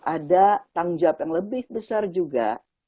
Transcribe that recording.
ada tanggung jawab yang lebih besar juga